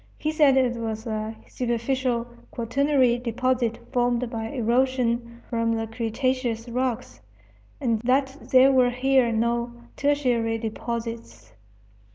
He said it was a superficial quaternary deposit formed by erosion from the cretaceous rocks, and that there were here no tertiary deposits.